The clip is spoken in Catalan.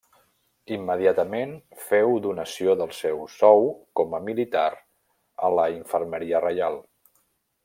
Immediatament féu donació del seu sou com a militar a la Infermeria Reial.